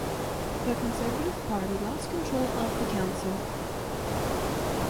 The Conservative Party lost control of the council.